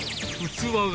器が。